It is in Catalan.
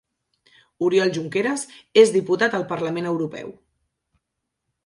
Oriol Junqueras és diputat al Parlament Europeu